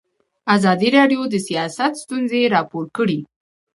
ازادي راډیو د سیاست ستونزې راپور کړي.